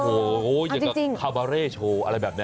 โอ้โหอย่างกับคาบาเร่โชว์อะไรแบบนี้